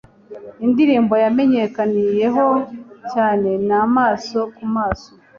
Indirimbo yamenyekaniyeho cyane ni Amaso ku Maso